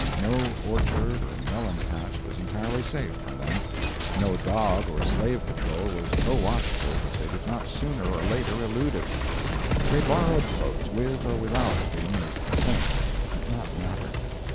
No orchard or melon patch was entirely safe from them. No dog or slave patrol was so watchful that they did not sooner or later elude it. They borrowed boats with or without the owner's consent it did not matter.